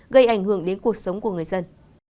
gây ảnh hưởng đến cuộc sống của người dân